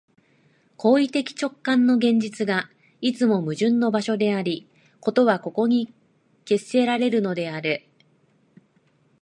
行為的直観の現実が、いつも矛盾の場所であり、事はここに決せられるのである。